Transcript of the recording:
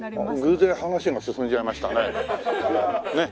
偶然話が進んじゃいましたね。